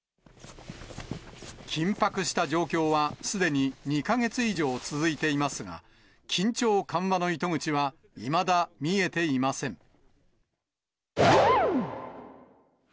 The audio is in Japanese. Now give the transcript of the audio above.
緊迫した状況は、すでに２か月以上続いていますが、緊張緩和の糸口はいまだ見えていません。